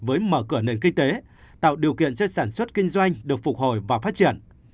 với mở cửa nền kinh tế tạo điều kiện cho sản xuất kinh doanh được phục hồi và phát triển